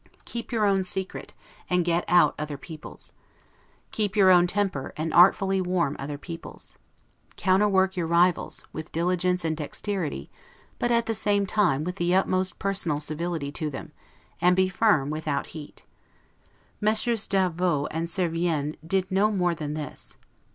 Keep your own secret, and get out other people's. Keep your own temper and artfully warm other people's. Counterwork your rivals, with diligence and dexterity, but at the same time with the utmost personal civility to them; and be firm without heat. Messieurs d'Avaux and Servien did no more than this.